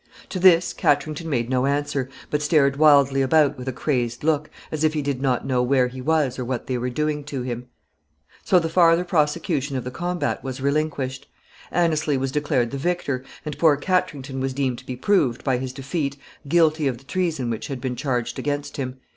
] To this Katrington made no answer, but stared wildly about with a crazed look, as if he did not know where he was or what they were doing to him. [Sidenote: The termination of the trial.] So the farther prosecution of the combat was relinquished. Anneslie was declared the victor, and poor Katrington was deemed to be proved, by his defeat, guilty of the treason which had been charged against him.